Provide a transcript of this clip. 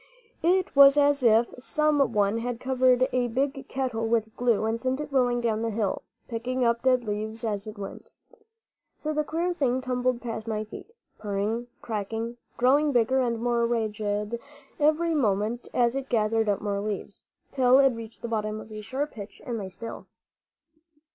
It was as if some one had covered a big kettle with glue and sent it rolling down the hill, picking up dead leaves as it went. So the queer thing tumbled past my feet, purring, crackling, growing bigger and more ragged every moment as it gathered up more leaves, till it reached the bottom of a sharp pitch and lay still.